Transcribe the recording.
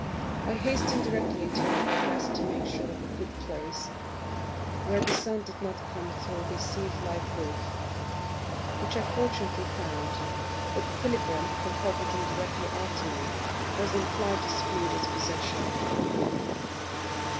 I hastened directly into one of the best to make sure of a good place, where the sun did not come through the sieve like roof, which I fortunately found but the pilgrim, who hobbled in directly after me, was inclined to dispute its possession.